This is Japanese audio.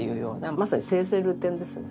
まさに生々流転ですね。